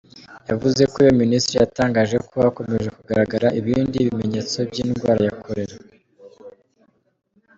Yavuze ko iyo Minisiteri yatangaje ko hakomeje kugaragara ibindi bimenyetso by’indwara ya Cholera.